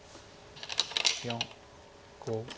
４５。